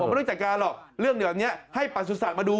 บอกไม่ต้องจัดการหรอกเรื่องเดี๋ยวนี้ให้ปรัสสุสัตว์มาดู